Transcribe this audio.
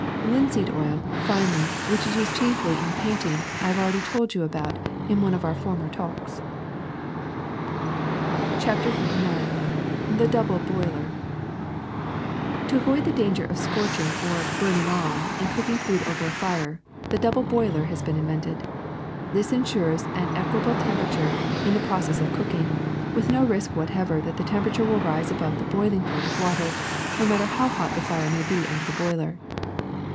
^* Linseed oil, finally, which is used chiefly in paint ing, I have already told you about in one of our former talks. '' CHAPTER XXXIX THE DOUKLE BOILER 'TTIO avoid the danger of scorching ux. ^burning on' J. m cooking food over a fire, the double boiler has been invented. This insures an equable temperature in the process of cooking, with no risk whatever that the temperature will rise above the boiling point of water, no matter how hot the fire may be under the boiler.